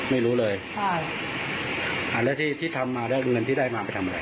ไม่รู้เลยใช่อ่าแล้วที่ที่ทำมาแล้วเงินที่ได้มาไปทำอะไร